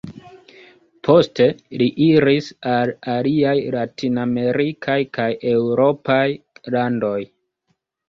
Poste, li iris al aliaj Latin-amerikaj kaj Eŭropaj landoj.